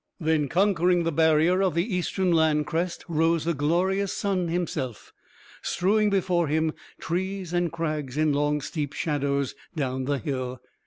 Then, conquering the barrier of the eastern land crest, rose the glorious sun himself, strewing before him trees and crags in long steep shadows down the hill.